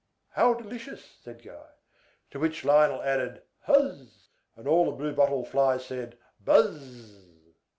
"How delicious!" said Guy. To which Lionel added, "Huzz!" And all the Blue Bottle Flies said, "Buzz!"